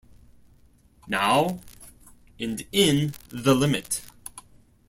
Now and in the limit.